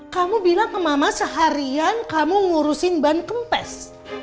kamu bilang ke mama mama seharian kamu ngurusin ban kempes